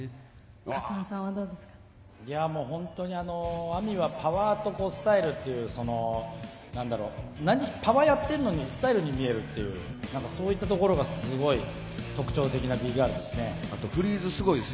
本当にＡＭＩはパワーとスタイルというパワーやってるのにスタイルに見えるっていうそういったところがすごい特徴的なＢＧＩＲＬです。